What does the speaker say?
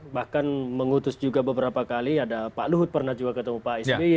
bahkan mengutus juga beberapa kali ada pak luhut pernah juga ketemu pak sby